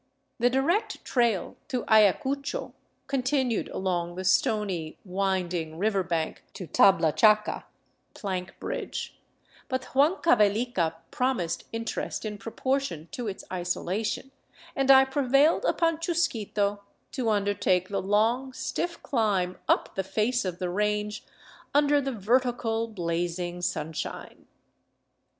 The direct trail to Ayacucho continued along the stony, winding river bank to Tablachaca (Plank bridge), but Huancavelica promised in terest in proportion to its isolation, and I prevailed upon Chusquito to undertake the long, stiff climb up the face of the range under the ver tical blazing sunshine.